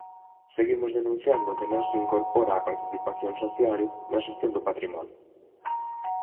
Seguimos denunciando que non se incorpora a participación social na xestión do patrimonio.